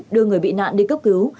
đưa người bị nạn đi cấp cứu